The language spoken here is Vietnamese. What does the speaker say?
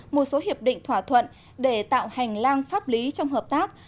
một số hiệp định thỏa thuận để tạo hành lang pháp lý trong hợp tác